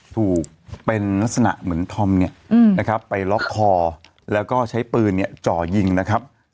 ถูกเป็นลักษณะเหมือนธอมเนี่ยนะครับไปล็อกคอแล้วก็ใช้ปืนเนี่ยจ่อยิงนะครับ